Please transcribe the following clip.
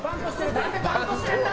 何でバントしてるんだ？